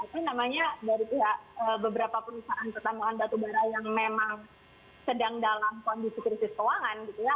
apa namanya dari pihak beberapa perusahaan pertamuan batubara yang memang sedang dalam kondisi krisis keuangan gitu ya